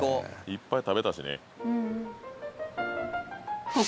いっぱい食べたしね。